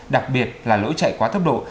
đặc biệt là lỗi chạy quá thấp độ